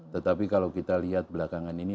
tetapi kalau kita lihat belakangan ini